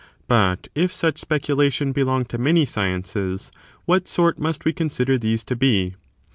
but if such speculation belong to many sciences, what sort must we consider these to be